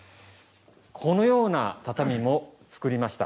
このような畳も作りました。